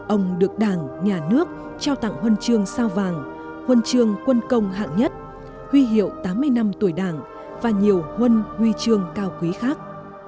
ông được đảng nhà nước trao tặng huân chương sao vàng huân chương quân công hạng nhất huy hiệu tám mươi năm tuổi đảng và nhiều huân huy chương cao quý khác